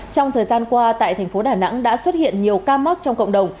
trong thời gian qua tại thành phố đà nẵng đã xuất hiện nhiều ca mắc trong cộng đồng